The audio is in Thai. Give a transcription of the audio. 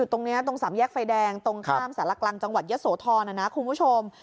ตรงนี้ตรงสามแยกไฟแดงตรงข้ามสารกลางจังหวัดยะโสธรนะคุณผู้ชม